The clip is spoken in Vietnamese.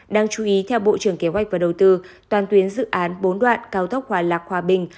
đáng chú ý theo bộ trưởng kế hoạch và đầu tư toàn tuyến dự án bốn đoạn cao tốc hòa lạc hòa bình